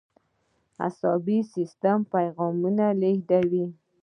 عصبي سیستم پیغامونه لیږدوي